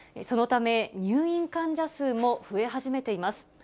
そのため、入院患者数も増え始めています。